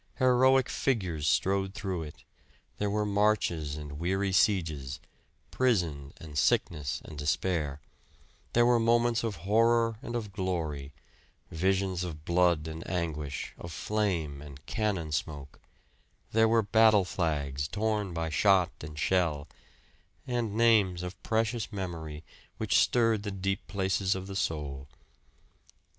Heroic figures strode through it; there were marches and weary sieges, prison and sickness and despair; there were moments of horror and of glory, visions of blood and anguish, of flame and cannon smoke; there were battle flags, torn by shot and shell, and names of precious memory, which stirred the deep places of the soul.